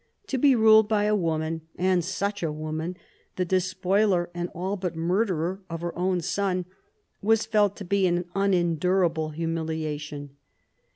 To be ruled by a woman, and such a woman, the despoiler and all but murderer of her own son, was felt to be an unendurable humiliation.